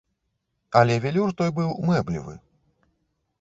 Але велюр той быў мэблевы.